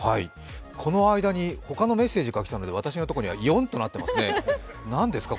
この間に他のメッセージが来たので私のところには「４」となっていますね。